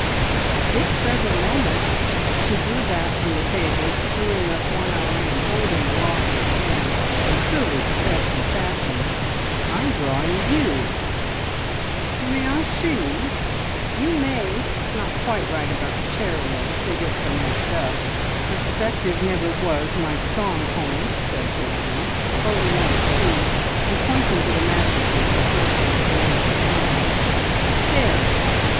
At this present moment " she drew back from the table, screwing up one eye, and holding aloft her pen in truly professional fashion "I'm drawing You!" "May I see?" "You may. ... It's not quite right about the chair legs, they get so mixed up. Perspective never was my strong point," said Pixie, holding out a sheet and pointing to the masterpiece in question with the end of her pen. "There!"